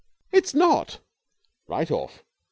"It's not!" "Right off!"